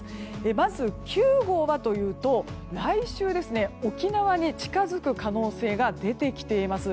まず、９号はというと来週、沖縄に近づく可能性が出てきています。